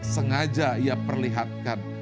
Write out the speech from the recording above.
sengaja ia perlihatkan